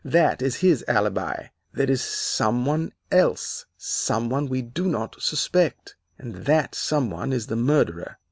That is his alibi. There is some one else, some one we do not suspect, and that some one is the murderer.